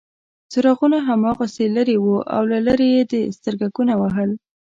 څراغونه هماغسې لرې وو او له لرې یې سترګکونه وهل.